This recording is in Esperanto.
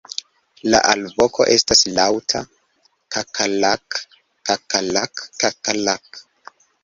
La alvoko estas laŭta "kakalak-kakalak-kakalak".